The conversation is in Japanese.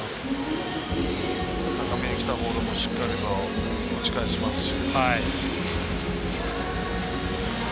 高めにきたボールをしっかりと打ち返しますし。